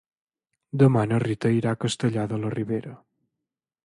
Demà na Rita irà a Castellar de la Ribera.